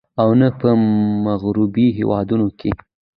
او نۀ په مغربي هېوادونو کښې